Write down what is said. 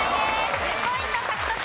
１０ポイント獲得。